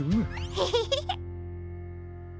ヘヘヘヘ。